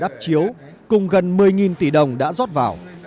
đắp chiếu cùng gần một mươi tỷ đồng đã rót vào